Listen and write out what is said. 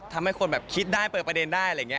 ทำให้คนแบบคิดได้เปิดประเด็นได้อะไรอย่างนี้